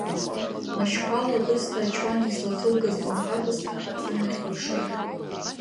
Машьқәала абысҭа ачуан излаҭылгаз лымҳабысҭа аӡы нахьлыршеит.